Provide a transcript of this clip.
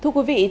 thưa quý vị